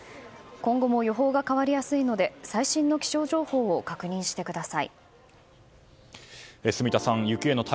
今後も予報が変わりやすいので最新の気象情報を確認してください。